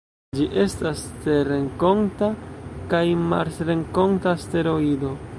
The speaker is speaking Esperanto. Ĝi estas terrenkonta kaj marsrenkonta asteroido.